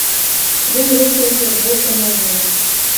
Ён рухаўся з боку мяжы.